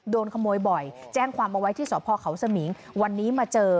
โดนขโมยบ่อยแจ้งความเอาไว้ที่สพเขาสมิงวันนี้มาเจอ